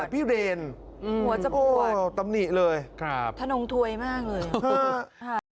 หัวจะปวดครับธนงถวยมากเลยฮะ